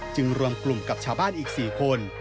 รวมกลุ่มกับชาวบ้านอีก๔คน